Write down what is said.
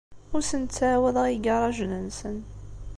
Ur asen-ttɛawadeɣ i yigaṛajen-nsen.